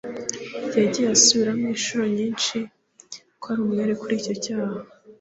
yagiye asubiramo inshuro nyinshi ko ari umwere kuri icyo cyaha